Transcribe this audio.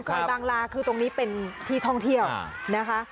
บางลาคือตรงนี้เป็นที่ท่องเที่ยวนะคะ